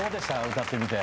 歌ってみて。